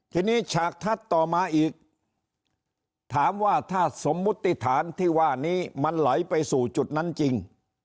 ทีนี้ฉากทัดต่อมาอีกถามว่าถ้าสมมุติฐานที่ว่านี้มันไหลไปสู่จุดนั้นจริง